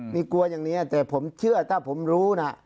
มีกลัวอย่างนี้แต่ผมเชื่อถ้าผมรู้นะ